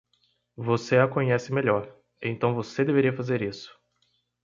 Você a conhece melhor?, então você deveria fazer isso.